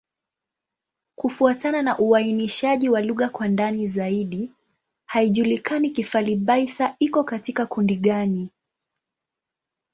Kufuatana na uainishaji wa lugha kwa ndani zaidi, haijulikani Kifali-Baissa iko katika kundi gani.